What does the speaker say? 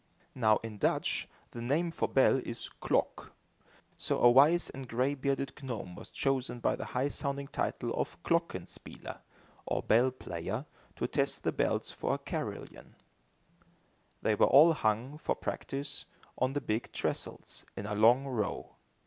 Now in Dutch, the name for bell is "klok." So a wise and gray bearded gnome was chosen by the high sounding title of klokken spieler, or bell player, to test the bells for a carillon. They were all hung, for practice, on the big trestles, in a long row.